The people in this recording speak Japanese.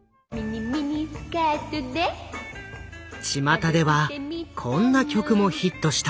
ちまたではこんな曲もヒットした。